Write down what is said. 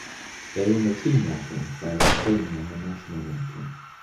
They won the team ranking, whereas Spain won the national ranking.